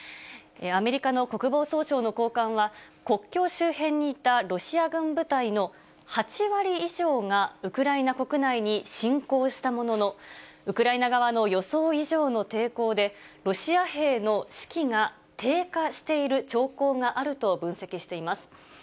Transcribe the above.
アメリカの国防総省の高官は、国境周辺にいたロシア軍部隊の８割以上が、ウクライナ国内に侵攻したものの、ウクライナ側の予想以上の抵抗で、ロシア兵の士気が低下している兆候があると分析しています。